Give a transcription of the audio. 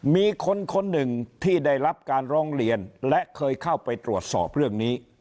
มีคนคนหนึ่งที่ได้รับการร้องเรียนและเคยเข้าไปตรวจสอบเรื่องนี้